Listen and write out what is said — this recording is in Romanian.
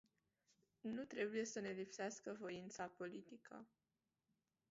Nu trebuie să ne lipsească voința politică.